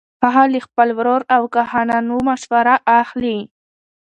هغه له خپل ورور او کاهنانو مشوره اخلي.